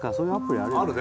あるね。